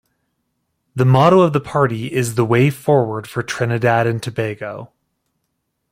The motto of the party is The way forward for Trinidad and Tobago.